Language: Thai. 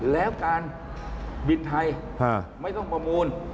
แล้วการบินไทยไม่ต้องประมูล